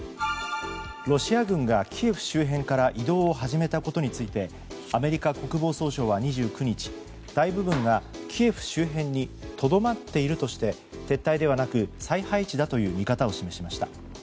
ロシア軍がキエフ周辺から移動を始めたことについてアメリカ国防総省は２９日大部分がキエフ周辺にとどまっているとして撤退ではなく再配置だという見方を示しました。